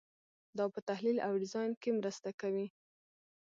دا په تحلیل او ډیزاین کې مرسته کوي.